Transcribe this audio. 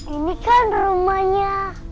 ini kan rumahnya